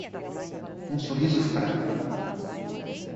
um sorriso fraco